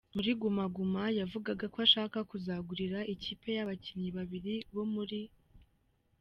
muri Guma Guma yavugaga ko ashaka kuzagurira ikipe ye abakinnyi babiri bo muri.